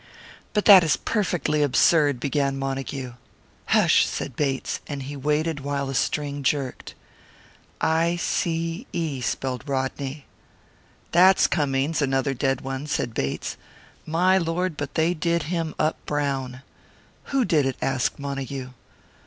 "But that is perfectly absurd!" began Montague. "Hush," said Bates, and he waited while the string jerked. "I c e," spelled Rodney. "That's Cummings another dead one," said Bates. "My Lord, but they did him up brown!" "Who did it?" asked Montague.